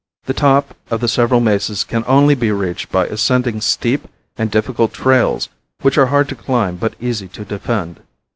The top of the several mesas can only be reached by ascending steep and difficult trails which are hard to climb but easy to defend.